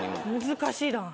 難しいな。